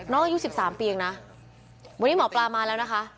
น้องก็อยู่๑๓ปีอีกนะวันนี้หมอปลามาแล้วนะคะ